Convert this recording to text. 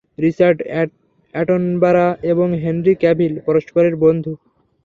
Richard Attenborough এবং Henry Cavill পরস্পরের বন্ধু।